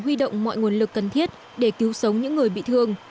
huy động mọi nguồn lực cần thiết để cứu sống những người bị thương